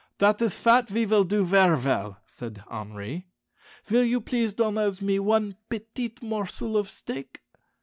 "Dat is fat vill do ver' vell," said Henri; "vill you please donnez me one petit morsel of steak."